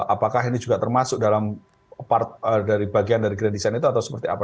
apakah ini juga termasuk dalam bagian dari grand design itu atau seperti apa